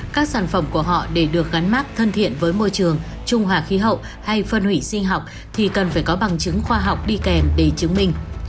các sản phẩm của họ để được gắn mát thân thiện với môi trường trung hòa khí hậu hay phân hủy sinh học thì cần phải có bằng chứng khoa học đi kèm để chứng minh